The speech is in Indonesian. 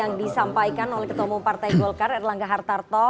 yang disampaikan oleh ketemu partai golkar erlangga hartarto